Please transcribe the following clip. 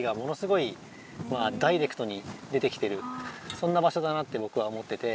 そんな場所だなってぼくは思ってて。